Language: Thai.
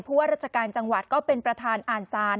เพราะว่าราชการจังหวัดก็เป็นประธานอ่านสาร